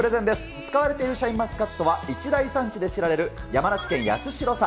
使われているシャインマスカットは、一大産地で知られる山梨県八代産。